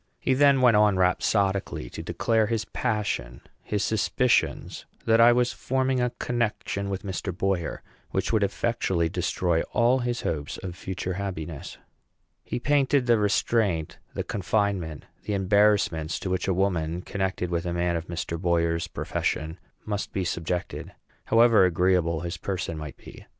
He then went on rhapsodically to declare his passion; his suspicions that I was forming a connection with Mr. Boyer, which would effectually destroy all his hopes of future happiness. He painted the restraint, the confinement, the embarrassments to which a woman connected with a man of Mr. Boyer's profession must be subjected, however agreeable his person might be.